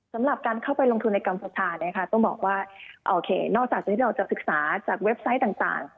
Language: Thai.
สำหรับการเข้าไปลงทุนในกรรมศึกษาต้องบอกว่านอกจากที่เราจะศึกษาจากเว็บไซต์ต่าง